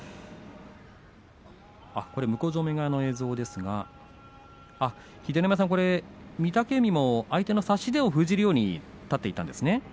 向正面側の映像ですね秀ノ山さん御嶽海も相手の差し手を封じるように立っていたんですね。